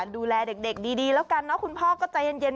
ดูแลเด็กดีแล้วกันเนอะคุณพ่อก็ใจเย็น